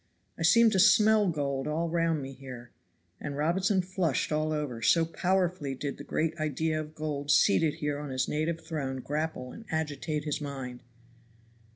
I seem to smell gold all round me here." And Robinson flushed all over, so powerfully did the great idea of gold seated here on his native throne grapple and agitate his mind.